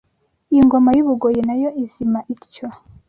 Ingoma y’u Bugoyi nayo izima ityo